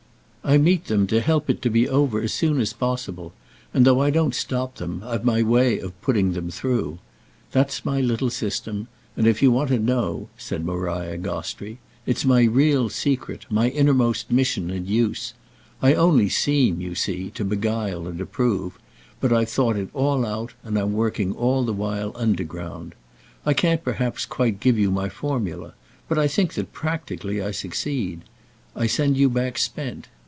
I meet them to help it to be over as soon as possible, and though I don't stop them I've my way of putting them through. That's my little system; and, if you want to know," said Maria Gostrey, "it's my real secret, my innermost mission and use. I only seem, you see, to beguile and approve; but I've thought it all out and I'm working all the while underground. I can't perhaps quite give you my formula, but I think that practically I succeed. I send you back spent.